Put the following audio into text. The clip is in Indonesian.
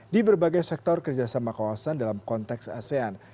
di berbagai sektor kerjasama kawasan dalam konteks asean